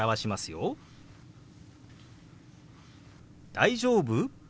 「大丈夫？」。